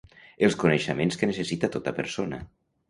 Els coneixements que necessita tota persona